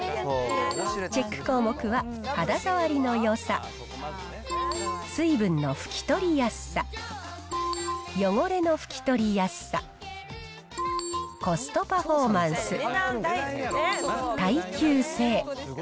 チェック項目は肌触りのよさ、水分の拭き取りやすさ、汚れの拭き取りやすさ、コストパフォーマンス、耐久性。